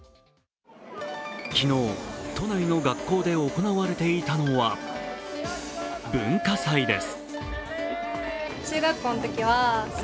昨日、都内の学校で行われていたのは、文化祭です。